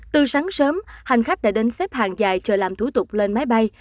từ sáng sớm hành khách đã đến xếp hàng dài chờ làm thủ tục lên máy bay